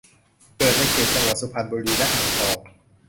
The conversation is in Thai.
เกิดในเขตจังหวัดสุพรรณบุรีและอ่างทอง